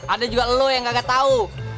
ada juga lo yang gak ketau